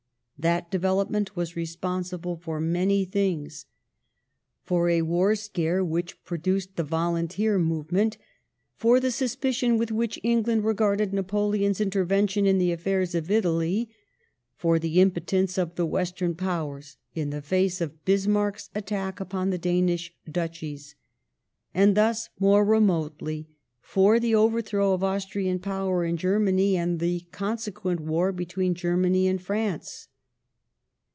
That development was responsible for many ^^r things : for a war scare which produced the volunteer movement ; for the suspicion with which England regarded Napoleon's inter vention in the affairs of Italy ; for the impotence of the Western % Powei s in the face of Bismarck's attack upon the Danish Duchies ;\. Ojc and thus, more remotely, for the overthrow of Austrian power ^1 ,, in Germany, and the consequent war between Germany and y^^jT France.